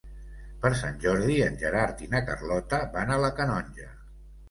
Per Sant Jordi en Gerard i na Carlota van a la Canonja.